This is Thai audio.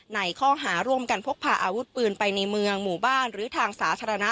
ในข้อหาร่วมกันพกพาอาวุธปืนไปในเมืองหมู่บ้านหรือทางสาธารณะ